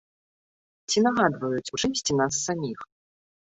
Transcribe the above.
Ці нагадваюць у чымсьці нас саміх?